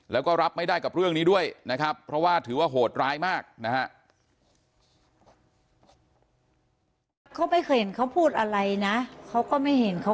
แล้วก็รับไม่ได้กับเรื่องนี้ด้วยนะครับเพราะว่าถือว่าโหดร้ายมากนะฮะ